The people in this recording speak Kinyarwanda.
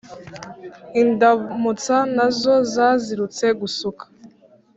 Indamutsa nazo zazirutse gusuka